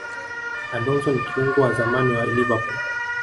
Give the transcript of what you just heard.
alonso ni kiungo wa zamani wa liverpool